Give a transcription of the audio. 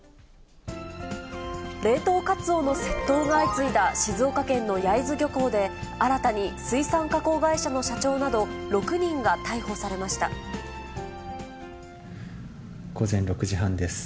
冷凍カツオの窃盗が相次いだ静岡県の焼津漁港で、新たに水産加工会社の社長など、６人が逮捕午前６時半です。